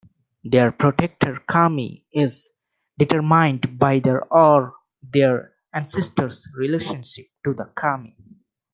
Their protector kami is determined by their or their ancestors' relationship to the kami.